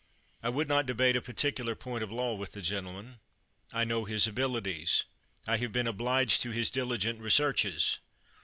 I would not debate a particular point of law with the gentleman. I know his abilities. I have been obliged to his diligent researches.